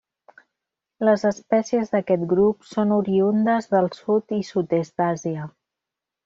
Les espècies d'aquest grup són oriündes del sud i sud-est d'Àsia.